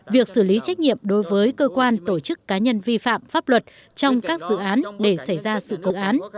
việc xử lý trách nhiệm đối với cơ quan tổ chức cá nhân vi phạm pháp luật trong các dự án để xảy ra sự cố án